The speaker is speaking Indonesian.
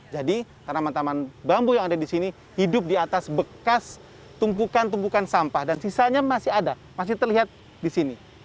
jadi tanaman taman bambu yang ada di sini hidup di atas bekas tumpukan tumpukan sampah dan sisanya masih ada masih terlihat di sini